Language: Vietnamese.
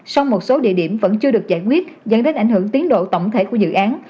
song một số địa điểm vẫn chưa được giải quyết dẫn đến ảnh hưởng tiến độ tổng thể của dự án